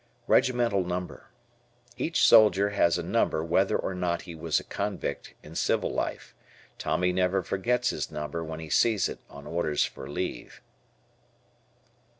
Regimental Number. Each soldier has a number whether or not he was a convict in civil life. Tommy never forgets his number when he sees it on "orders for leave."